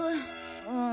うん。